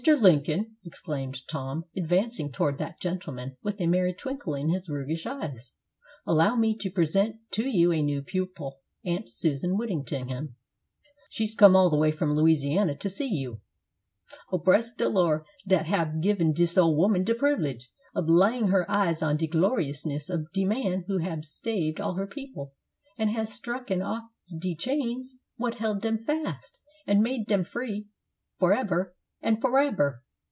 Lincoln," exclaimed Tom, advancing toward that gentleman, with a merry twinkle in his roguish eyes, "allow me to present to you a new pupil, Aunt Susan Whittingham; she has come all the way from Louisiana to see you." "Oh, bress de Lor' dat hab given dis ole woman de privilege ob laying her eyes on de gloriousness ob de man who hab saved all her people, an' has strucken off de chains what held dem fast, an' made dem free forebber and forebber!